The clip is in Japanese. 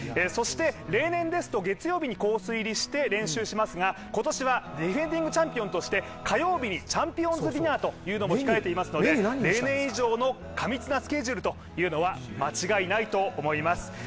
そして例年ですと月曜日にコース入りして練習しますが、今年はディフェンディングチャンピオンとして火曜日にチャンピオンズディナーというのも控えていますので例年以上の過密なスケジュールというのは間違いないと思います。